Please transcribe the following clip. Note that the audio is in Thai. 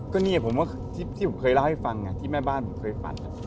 ก็เนี่ยผมว่าที่ผมเคยเล่าให้ฟังไงที่แม่บ้านผมเคยฝัน